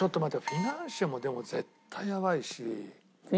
フィナンシェもでも絶対やばいし。